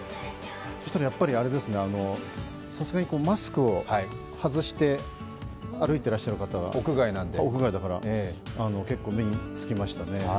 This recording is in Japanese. そしたら、さすがにマスクを外して歩いてらっしゃる方、屋外だから、結構目につきましたね